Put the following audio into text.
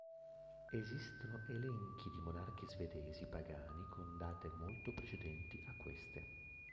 Esistono elenchi di monarchi svedesi pagani con date molto precedenti a queste.